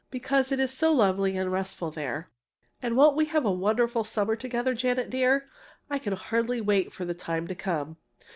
because it is so lovely and restful there. And won't we have a wonderful summer together, Janet dear? I can hardly wait for the time to come!